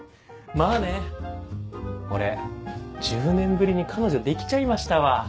まぁね俺１０年ぶりに彼女できちゃいましたわ。